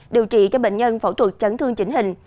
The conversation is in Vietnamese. điều trị cho bệnh nhân phẫu thuật chấn thương chỉnh hình